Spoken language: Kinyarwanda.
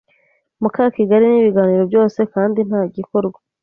Mukakigali ni ibiganiro byose kandi nta gikorwa.